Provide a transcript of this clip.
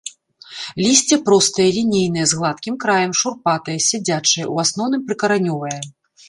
Лісце простае, лінейнае, з гладкім краем, шурпатае, сядзячае, у асноўным прыкаранёвае.